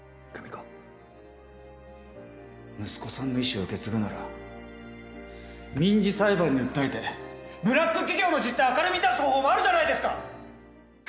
息子さんの遺志を受け継ぐなら民事裁判に訴えてブラック企業の実態を明るみに出す方法もあるじゃないですか！